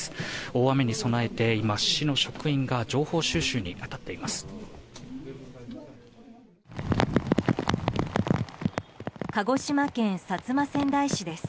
大雨に備えて今、市の職員が情報収集に当たっています。